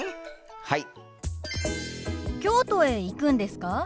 はい。